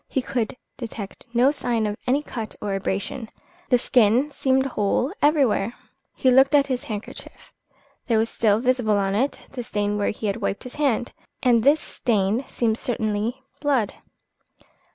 He could detect no sign of any cut or abrasion, the skin seemed whole everywhere. He looked at his handkerchief. There was still visible on it the stain where he had wiped his hand, and this stain seemed certainly blood.